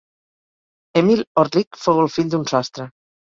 Emil Orlik fou el fill d'un sastre.